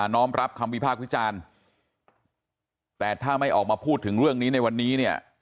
้อมรับคำวิพากษ์วิจารณ์แต่ถ้าไม่ออกมาพูดถึงเรื่องนี้ในวันนี้เนี่ย